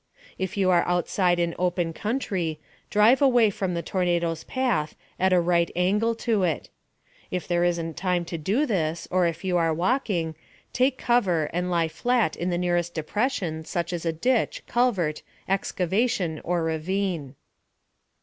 If you are outside in open country, drive away from the tornado's path, at a right angle to it. If there isn't time to do this or if you are walking take cover and lie flat in the nearest depression, such as a ditch, culvert, excavation, or ravine.